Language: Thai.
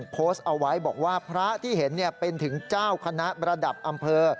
โพสต์เอาไว้บอกว่าพระที่เห็นเป็นถึงเจ้าคณะระดับอำเภอ